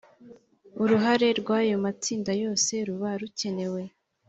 Uruhare rw’ayomatsinda yose ruba rukenewe